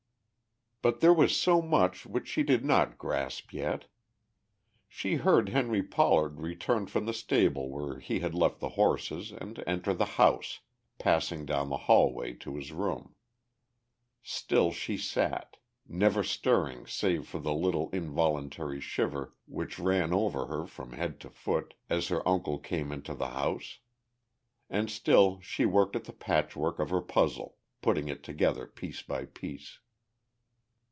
But there was so much which she did not grasp yet. She heard Henry Pollard return from the stable where he had left the horses and enter the house, passing down the hallway to his room. Still she sat, never stirring save for the little involuntary shiver which ran over her from head to foot, as her uncle came into the house. And still she worked at the patchwork of her puzzle, putting it together piece by piece.